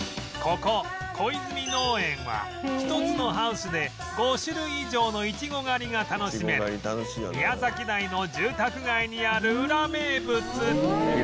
ここ小泉農園は１つのハウスで５種類以上のイチゴ狩りが楽しめる宮崎台の住宅街にあるウラ名物